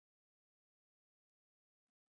کاناډا په ساینس پانګونه کوي.